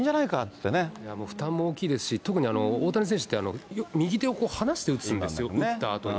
いやもう、負担も大きいですし、特に大谷選手って右手を離して打つんですよ、打ったあとに。